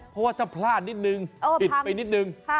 เพราะว่าจะพลาดนิดหนึ่งปิดไปนิดหนึ่ง